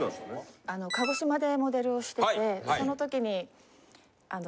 鹿児島でモデルをしててその時に。